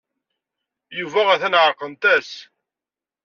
Yuba atan ɛerqent-as.